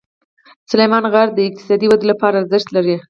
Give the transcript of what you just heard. سلیمان غر د اقتصادي ودې لپاره ارزښت لري.